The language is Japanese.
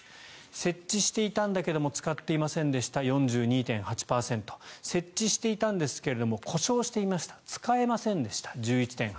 設置していたんだけど使っていませんでした４２．８％設置していたんですが故障していました使えませんでした、１１．８％。